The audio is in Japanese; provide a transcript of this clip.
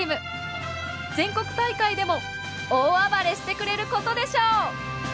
全国大会でも大暴れしてくれることでしょう！